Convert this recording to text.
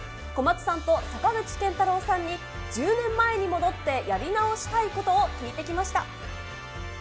小松さんと坂口健太郎さんに１０年前に戻ってやり直したいことを聞いてきました。